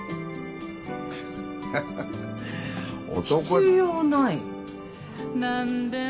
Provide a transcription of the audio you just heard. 必要ない。